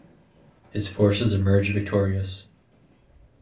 His forces emerged victorious.